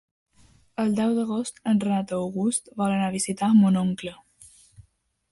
El deu d'agost en Renat August vol anar a visitar mon oncle.